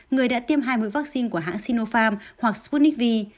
người đã tiêm hai mươi vaccine của hãng sinopharm hoặc sputnik v